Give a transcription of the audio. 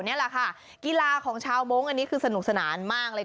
นี่ล่ะค่ะนี่คือสนุกสนานมากเลย